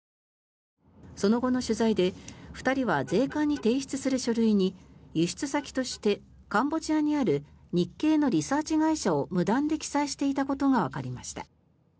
その後の取材で２人は税関に提出する書類に輸出先として、カンボジアにある日系のリサーチ会社を無断で記載していたことがわかりました。